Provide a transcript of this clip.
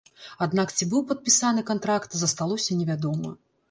Аднак ці быў падпісаны кантракт засталося невядома.